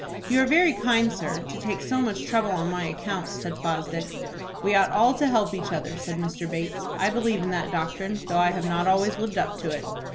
"You are very kind, sir, to take so much trouble on my account," said Fosdick. "We ought all to help each other," said Mr. Bates. "I believe in that doctrine, though I have not always lived up to it.